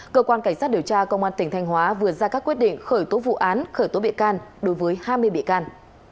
cơ quan cảnh sát điều tra công an tỉnh thanh hóa vừa ra các quyết định khởi tố vụ án khởi tố bị can đối với hai mươi bị can